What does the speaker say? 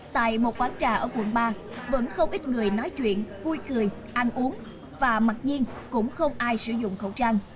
tại một quán trà ở quận ba vẫn không ít người nói chuyện vui cười ăn uống và mặc nhiên cũng không ai sử dụng khẩu trang